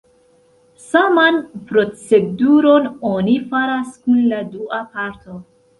Saman proceduron oni faras kun la dua parto.